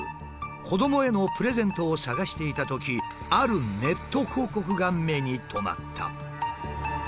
子どもへのプレゼントを探していたときあるネット広告が目に留まった。